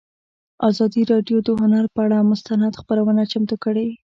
ازادي راډیو د هنر پر اړه مستند خپرونه چمتو کړې.